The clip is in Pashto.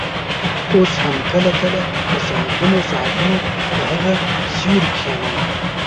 اوس هم کله کله په ساعتونو ساعتونو په هغه سوري کښېنم.